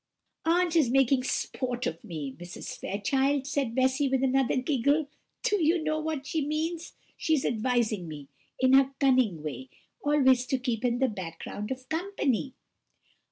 "Aunt is making sport of me, Mrs. Fairchild," said Bessy, with another giggle; "do you know what she means? She is advising me, in her cunning way, always to keep in the background of company."